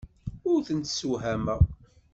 Ur tent-ssewhameɣ.